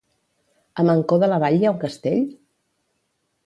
A Mancor de la Vall hi ha un castell?